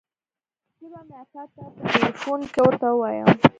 زه به مې اکا ته په ټېلفون کښې ورته ووايم.